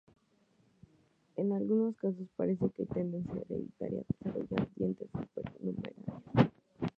En algunos casos parece que hay tendencia hereditaria a desarrollar dientes supernumerarios.